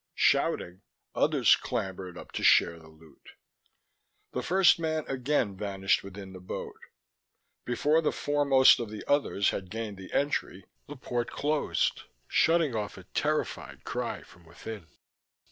Shouting, others clambered up to share the loot. The first man again vanished within the boat. Before the foremost of the others had gained the entry, the port closed, shutting off a terrified cry from within.